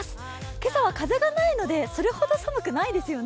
今朝は風がないので、それほど寒くないですよね。